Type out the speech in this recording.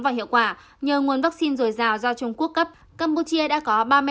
và hiệu quả nhờ nguồn vaccine rồi rào do trung quốc cấp campuchia đã có ba mươi năm